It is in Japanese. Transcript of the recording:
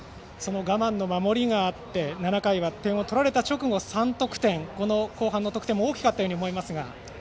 我慢の守りがあって７回は点を取られた直後３得点、この後半の得点も大きかったように思えますが。